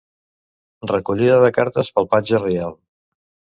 Recollida de cartes pel patge reial.